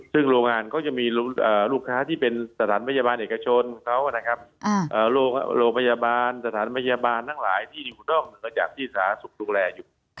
ซึ่งโรงงานเขาจะมีลูกค้าที่เป็นสถานพยาบาลเอกชนเขานะครับโรงพยาบาลสถานพยาบาลทั้งหลายที่อยู่ด้องมาจากที่สาธารณสุขดูแลอยู่